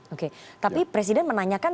oke tapi presiden menanyakan